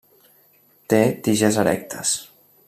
Té tiges erectes.